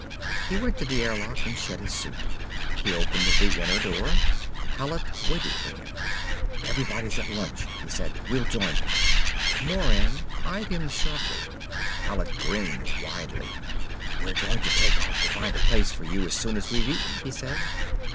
He went to the airlock and shed his suit. He opened the inner door. Hallet waited for him. "Everybody's at lunch," he said. "We'll join them." Moran eyed him sharply. Hallet grinned widely. "We're going to take off to find a place for you as soon as we've eaten," he said.